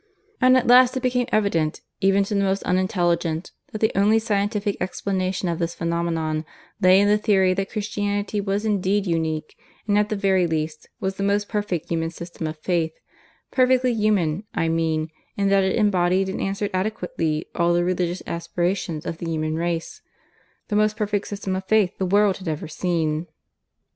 And at last it became evident, even to the most unintelligent, that the only scientific explanation of this phenomenon lay in the theory that Christianity was indeed unique, and, at the very least, was the most perfect human system of faith perfectly human, I mean, in that it embodied and answered adequately all the religious aspirations of the human race the most perfect system of faith the world had ever seen.